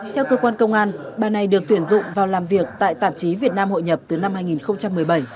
theo cơ quan công an bà này được tuyển dụng vào làm việc tại tạp chí việt nam hội nhập từ năm hai nghìn một mươi bảy